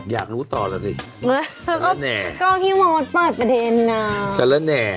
อยากรู้ต่อแล้วสิเขาก็ก็ที่ว่าเปิดประเด็นอ่าแสละแน่